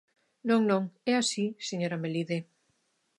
Non, non, é así, señora Melide.